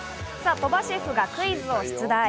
鳥羽シェフがクイズを出題。